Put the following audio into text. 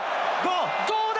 どうだ？